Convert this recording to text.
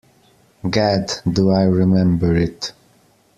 Gad, do I remember it.